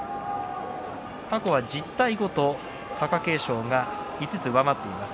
過去は１０対５と貴景勝が５つ上回っています。